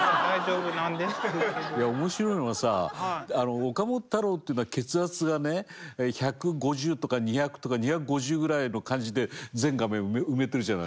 いや面白いのはさ岡本太郎っていうのは血圧がね１５０とか２００とか２５０ぐらいの感じで全画面埋めてるじゃないですか。